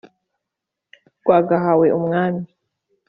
rwagahawe umwami